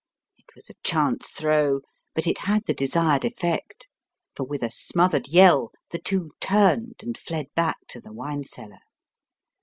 It was a chance throw, but it had the desired effect, for with a smothered yell the two turned and fled back to the wine cellar.